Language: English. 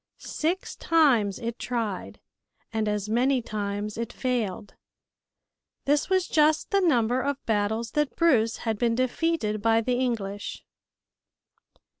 Six times it tried and as many times it failed. This was just the number of battles that Bruce had been defeated by the English.